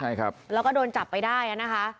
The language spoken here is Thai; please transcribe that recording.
ใช่ครับแล้วก็โดนจับไปได้อ่ะนะคะ